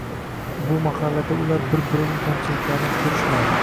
Bu mahalda ular bir-birining kamchiliklarini ko`rishmaydi